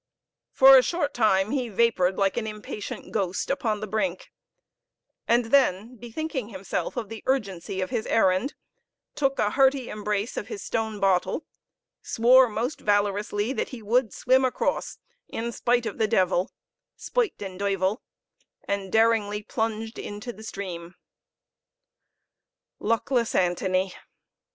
For a short time he vapored like an impatient ghost upon the brink, and then, bethinking himself of the urgency of his errand, took a hearty embrace of his stone bottle, swore most valorously that he would swim across in spite of the devil (spyt den duyvel), and daringly plunged into the stream. Luckless Antony!